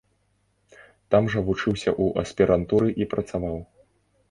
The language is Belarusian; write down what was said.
Там жа вучыўся ў аспірантуры і працаваў.